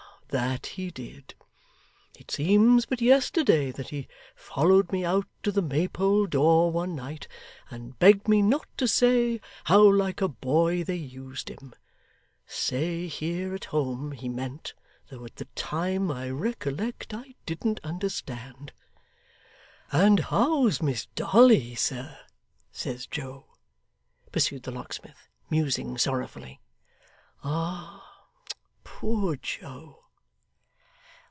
that he did. It seems but yesterday that he followed me out to the Maypole door one night, and begged me not to say how like a boy they used him say here, at home, he meant, though at the time, I recollect, I didn't understand. "And how's Miss Dolly, sir?" says Joe,' pursued the locksmith, musing sorrowfully, 'Ah! Poor Joe!